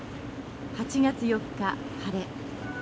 「８月４日晴れ。